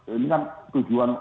ini kan tujuan